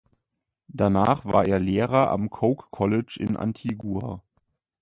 Danach war er Lehrer am Coke College in Antigua.